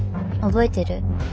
覚えてる？